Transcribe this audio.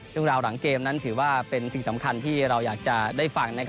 เรื่องราวหลังเกมนั้นถือว่าเป็นสิ่งสำคัญที่เราอยากจะได้ฟัง